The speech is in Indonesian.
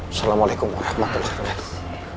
assalamualaikum warahmatullahi wabarakatuh